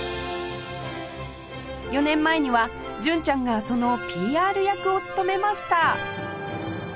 ４年前には純ちゃんがその ＰＲ 役を務めました